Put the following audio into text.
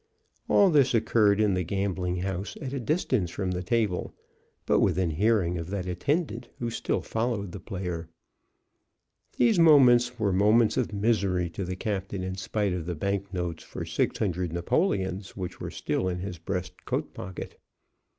All this occurred in the gambling house at a distance from the table, but within hearing of that attendant who still followed the player. These moments were moments of misery to the captain in spite of the bank notes for six hundred napoleons which were still in his breast coat pocket.